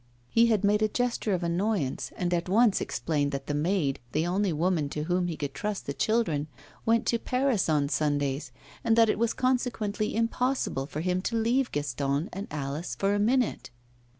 He had made a gesture of annoyance, and at once explained that the maid, the only woman to whom he could trust the children, went to Paris on Sundays, and that it was consequently impossible for him to leave Gaston and Alice for a minute.